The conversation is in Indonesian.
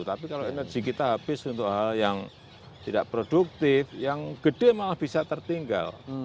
tapi kalau energi kita habis untuk hal yang tidak produktif yang gede malah bisa tertinggal